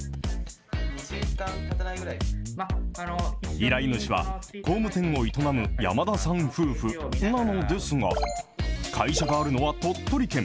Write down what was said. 依頼主は、工務店を営む山田さん夫婦なのですが、会社があるのは鳥取県。